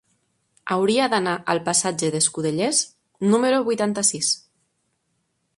Hauria d'anar al passatge d'Escudellers número vuitanta-sis.